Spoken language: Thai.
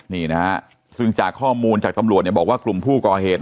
นี่นะฮะซึ่งจากข้อมูลจากตำรวจเนี่ยบอกว่ากลุ่มผู้ก่อเหตุ